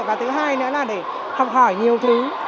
và thứ hai nữa là để học hỏi nhiều thứ